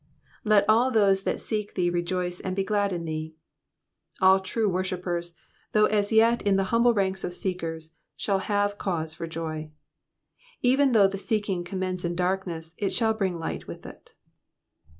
^''Let all those tliat seek thee rejoice and he glad in thee.'*'* All true worshippers, though as yet in the humble ranks of seekers, shall have cause for joy. Even though the seeking commence in darkness, it shall bring light with it.